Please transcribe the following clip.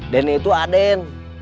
denny itu aden